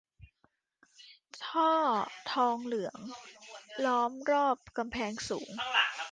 ท่อทองเหลืองล้อมรอบกำแพงสูง